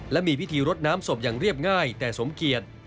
และมีพิธีรดน้ำศพอย่างเรียบง่ายแต่สมเกียจ